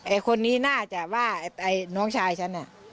ไอ้คนนี้น่าจะว่าไอ้น้องชายฉัน